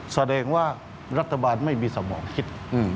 แสดงว่ารัฐบาลไม่มีสมองคิด